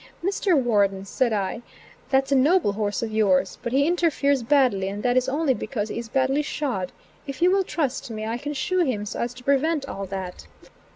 Mr. Warden, said I "that's a noble horse of yours; but he interferes badly, and that is only because he is badly shod. If you will trust me, I can shoe him so as to prevent all that."